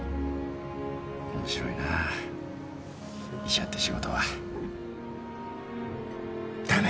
面白いなぁ医者って仕事は。だね。